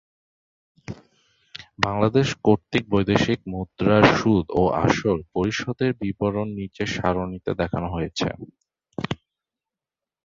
বাংলাদেশ কর্তৃক বৈদেশিক ঋণের সুদ ও আসল পরিশোধের বিবরণ নিচের সারণীতে দেখানো হয়েছে।